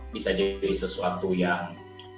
bisa jadi sesuatu yang